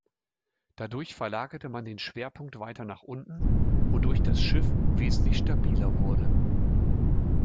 Dadurch verlagerte man den Schwerpunkt weiter nach unten, wodurch das Schiff wesentlich stabiler wurde.